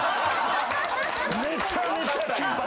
めちゃめちゃ金髪。